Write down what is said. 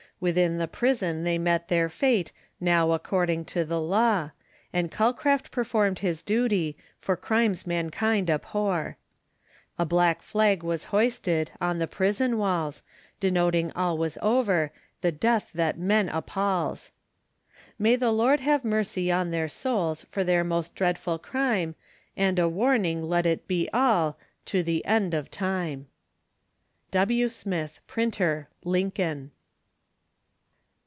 Within the prison they met their fate, Now according to the law; And Calcraft performed his duty, For crimes mankind abhor. A black flag was hoisted, On the prison walls, Denoting all was over, The death that men appals. May the Lord have mercy on their souls, For their most dreadful crime; And a warning let it be all To the end of time. W. Smith, Printer, Lincoln.